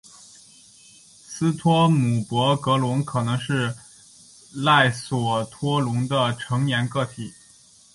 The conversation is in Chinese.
斯托姆博格龙可能是赖索托龙的成年个体。